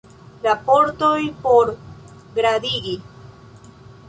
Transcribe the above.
Raportoj por gradigi.